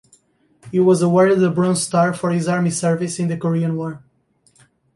He was awarded a Bronze Star for his Army service in the Korean War.